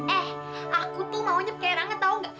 eh aku tuh maunya pakai air hangat tau gak